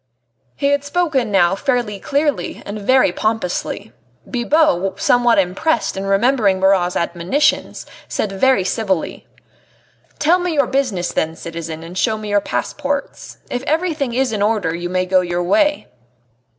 He had spoken now fairly clearly and very pompously. Bibot, somewhat impressed and remembering Marat's admonitions, said very civilly: "Tell me your business then, citizen, and show me your passports. If everything is in order you may go your way."